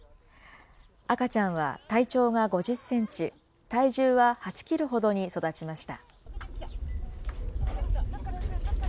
赤ちゃんは体長が５０センチ、体重は８キロほどに育ちました。